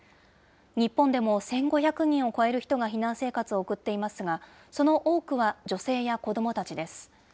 日本でも１５００人を超える人が避難生活を送っていますが、その多くは女性や子どもたちです。